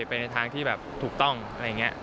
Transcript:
ไปในทางที่แบบถูกต้องอะไรอย่างนี้